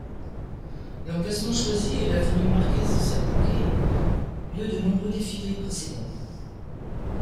L'emplacement choisi est l'avenue Marquês de Sapucaí, lieu de nombreux défilés précédents.